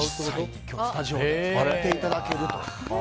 実際にスタジオでやっていただけると。